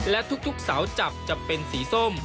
และทุกเสาจับจะเป็นสีส้ม